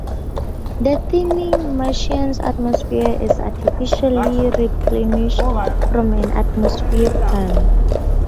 The thinning Martian atmosphere is artificially replenished from an "atmosphere plant".